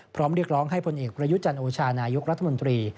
เรียกร้องให้ผลเอกประยุจันโอชานายกรัฐมนตรี